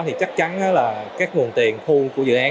thì chắc chắn là các nguồn tiền khu của dự án